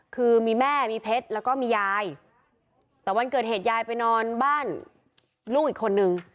คือมีแม่มีเพชรแล้วก็มียายแต่วันเกิดเหตุยายไปนอนบ้านลูกอีกคนนึง